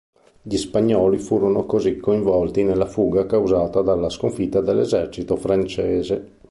Gli Spagnoli furono così coinvolti nella fuga causata dalla sconfitta dell'esercito francese.